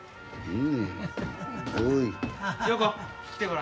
うん。